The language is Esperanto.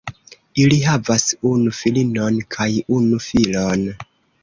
Ili havas unu filinon kaj unu filon.